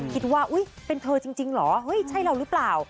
คิดว่าอุ้ยเป็นเธอจริงเหรอใช่หรือเปล่า